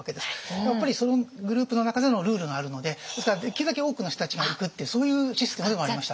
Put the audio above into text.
やっぱりそのグループの中でのルールがあるのでですからできるだけ多くの人たちが行くっていうそういうシステムでもありました。